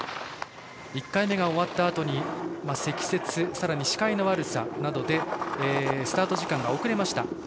１回目が終わったあとに積雪、視界の悪さなどでスタート時間が遅れました。